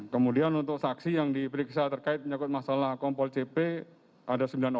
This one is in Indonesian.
kemudian untuk saksi yang diperiksa terkait menyakut masalah kompol cp ada sembilan orang